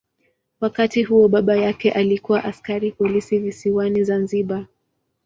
Wakati huo baba yake alikuwa askari polisi visiwani Zanzibar.